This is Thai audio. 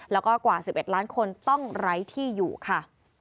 แล้วก็กว่า๑๑ล้านคนต้องไร้ที่อยู่ค่ะ